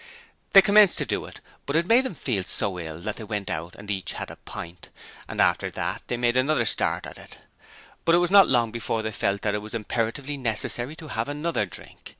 They commenced to do it, but it made them feel so ill that they went out and had a pint each, and after that they made another start at it. But it was not long before they felt that it was imperatively necessary to have another drink.